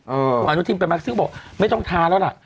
คุณอนุทินไปมาซึ่งบอกไม่ต้องท้าแล้วล่ะ